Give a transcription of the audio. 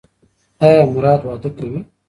ایا مراد واده کوي؟